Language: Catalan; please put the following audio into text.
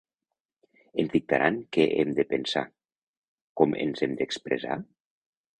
Ens dictaran què hem de pensar, com ens hem d’expressar?